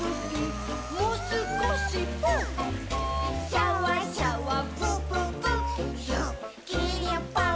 「シャワシャワプププすっきりぽっ」